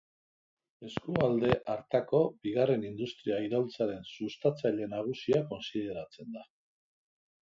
Eskualde hartako bigarren industria iraultzaren sustatzaile nagusia kontsideratzen da.